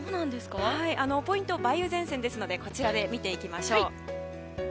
ポイントは梅雨前線なのでこちらで見ていきます。